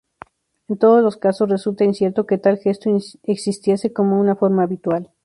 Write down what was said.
En todos los casos resulta incierto que tal gesto existiese como una forma habitual.